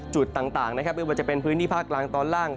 จุดต่างนะครับไม่ว่าจะเป็นพื้นที่ภาคกลางตอนล่าง